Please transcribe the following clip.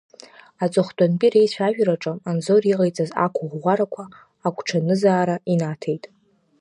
Аҵыхәтәантәи реицәажәараҿы Анзор иҟаиҵаз ақәыӷәӷәарақәа агәҽанызаара инаҭеит.